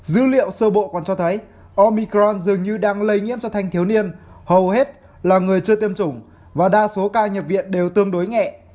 dữ liệu sơ bộ còn cho thấy omicron dường như đang lây nhiễm cho thanh thiếu niên hầu hết là người chưa tiêm chủng và đa số ca nhập viện đều tương đối nhẹ